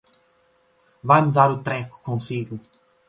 Vai-me dar o treco consigo.